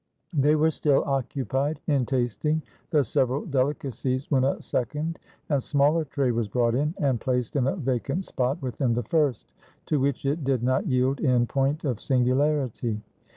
They were still occupied in tasting the several delica cies, when a second and smaller tray was brought in, and placed in a vacant spot within the first, to which it did not yield in point of singularity.